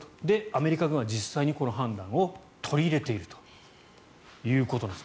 アメリカ軍は実際にこの判断を取り入れているということです。